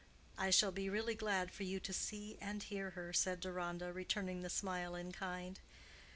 "I shall be really glad for you to see and hear her," said Deronda, returning the smile in kind.